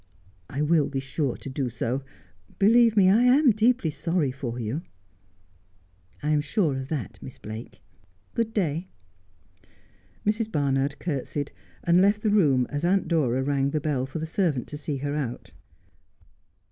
' I will be sure to do so. Believe me, I am deeply sorry for you.' ' I am sure of that, Miss Blake. Good day.' Mrs. Barnard curtesied, and left the room as Aunt Dora rang the bell for the servant to see her out.